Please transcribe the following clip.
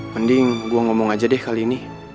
mending gue ngomong aja deh kali ini